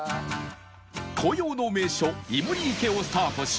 紅葉の名所いもり池をスタートし